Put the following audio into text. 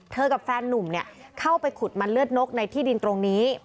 กับแฟนนุ่มเข้าไปขุดมันเลือดนกในที่ดินตรงนี้